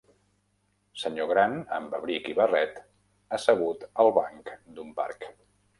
Senyor gran amb abric i barret assegut al banc d'un parc.